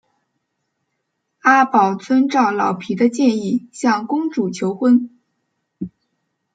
阿宝遵照老皮的建议向公主求婚。